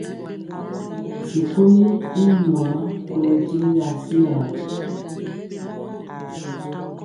Sikoli i nwaa kolɔ jegi asiŋa.